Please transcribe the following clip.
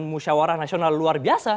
musyawarah nasional luar biasa